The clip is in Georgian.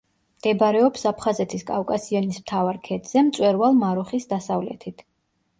მდებარეობს აფხაზეთის კავკასიონის მთავარ ქედზე, მწვერვალ მარუხის დასავლეთით.